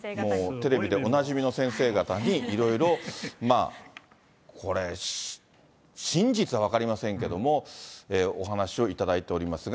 テレビでおなじみの先生方に、いろいろこれ、真実は分かりませんけれども、お話をいただいておりますが。